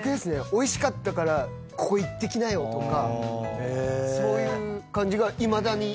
おいしかったからここ行ってきなよとかそういう感じがいまだに。